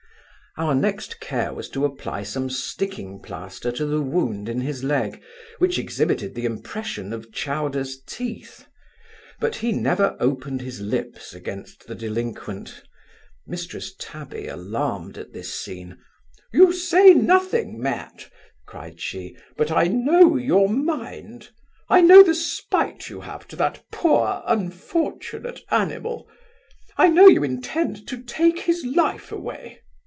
Our next care was to apply some sticking plaister to the wound in his leg, which exhibited the impression of Chowder's teeth; but he never opened his lips against the delinquent Mrs Tabby, alarmed at this scene, 'You say nothing, Matt (cried she); but I know your mind I know the spite you have to that poor unfortunate animal! I know you intend to take his life away!